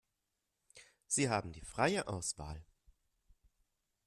Sie haben freie Auswahl.